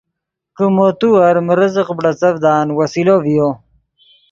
کہ مو تیور من رزق بڑیڅڤدان وسیلو ڤیو